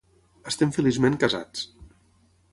Estem feliçment casats.